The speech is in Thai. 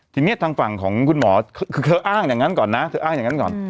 ทีนี้ทางฝั่งของคุณหมอคือเธออ้างอย่างนั้นก่อนนะเธออ้างอย่างนั้นก่อน